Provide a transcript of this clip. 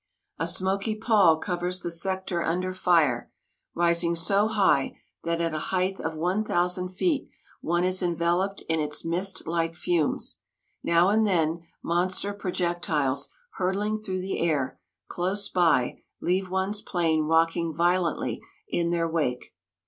A smoky pall covers the sector under fire, rising so high that at a height of 1,000 feet one is enveloped in its mist like fumes. Now and then monster projectiles hurtling through the air close by leave one's plane rocking violently in their wake.